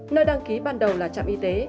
nơi đăng ký ban đầu là trạm y tế